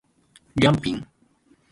りゃんぴん